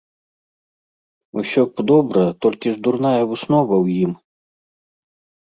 Усё б добра, толькі ж дурная выснова ў ім.